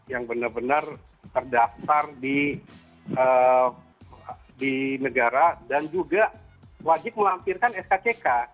yang benar benar terdaftar di negara dan juga wajib melampirkan skck